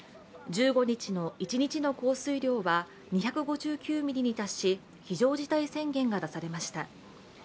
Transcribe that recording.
１５日の一日の降水量は２５９ミリに達し非常事態宣言が出されました。